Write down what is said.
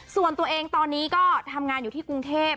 ส่วนตัวเองตอนนี้ก็ทำงานอยู่ที่กรุงเทพ